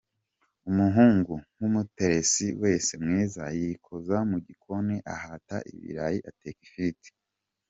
Umuhungu, nk'umuteresi wese mwiza, yikoza mu gikoni ahata ibirayi ateka ifiriti.